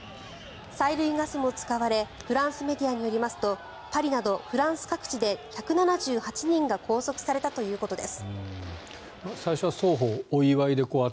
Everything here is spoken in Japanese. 催涙ガスも使われフランスメディアによりますとパリなどフランス各地で１７８人が拘束されたということです。